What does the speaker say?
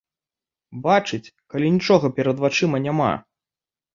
Бачыць, калі нічога перад вачыма няма.